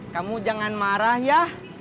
kamu jangan marah ya